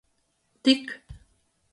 Tik